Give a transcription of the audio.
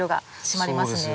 締まりますね。